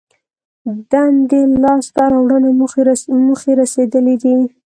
دندې لاس ته راوړنه موخې رسېدلي دي.